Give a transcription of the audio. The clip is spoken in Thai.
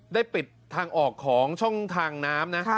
ปิดทางออกของช่องทางน้ำนะ